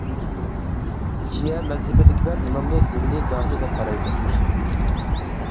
شىئە مەزھىپىدىكىلەر، ئىمامنى دىنىي داھىي، دەپ قارايدۇ.